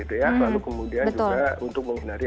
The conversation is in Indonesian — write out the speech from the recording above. lalu kemudian juga untuk menghindari